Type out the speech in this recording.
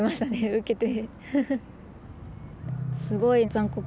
受けて。